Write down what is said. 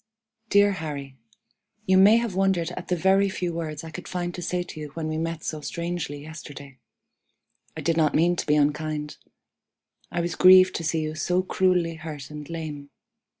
"DEAR HARRY: You may have wondered at the very few words I could find to say to you when we met so strangely yesterday. I did not mean to be unkind. I was grieved to see you so cruelly hurt and lame.